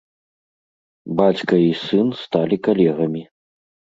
Бацька і сын сталі калегамі.